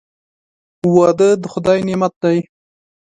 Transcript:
• واده د خدای نعمت دی.